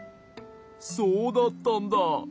そうだったんだ。